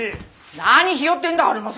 何ひよってんだ晴政！